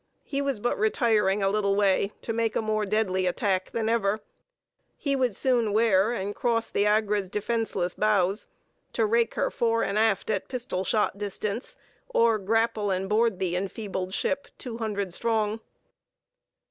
He was but retiring a little way to make a more deadly attack than ever: he would soon wear, and cross the Agra's defenceless bows, to rake her fore and aft at pistol shot distance; or grapple, and board the enfeebled ship two hundred strong.